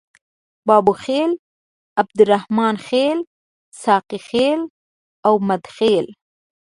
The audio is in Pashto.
بابوخیل، عبدالرحمن خیل، ساقي خیل او مده خیل.